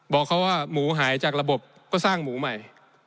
บอกเขาว่าหมูหายจากระบบก็สร้างหมูใหม่